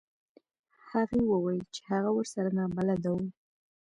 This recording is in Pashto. هغې وویل چې هغه ورسره نابلده و.